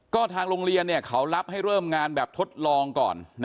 ก็ทางโรงเรียนเขารับให้เริ่มงานแบบทดลองก่อน